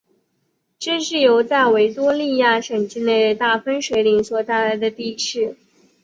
这是由在维多利亚省境内的大分水岭所带来的地势。